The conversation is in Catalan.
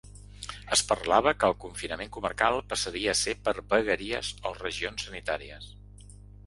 Es parlava que el confinament comarcal passaria a ser per vegueries o regions sanitàries.